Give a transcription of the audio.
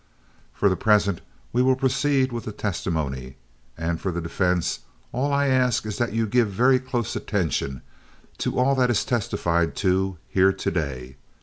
For the present we will proceed with the testimony, and for the defense all I ask is that you give very close attention to all that is testified to here to day.